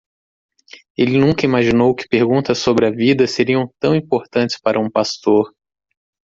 Ele nunca imaginou que perguntas sobre a vida seriam tão importantes para um pastor.